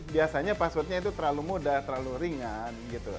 biasanya password nya itu terlalu mudah terlalu ringan